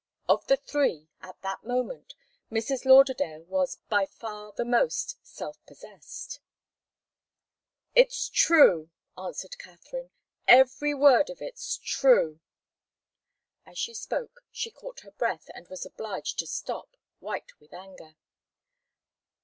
Of the three, at that moment, Mrs. Lauderdale was by far the most self possessed. "It's true," answered Katharine. "Every word of it's true!" As she spoke she caught her breath, and was obliged to stop, white with anger.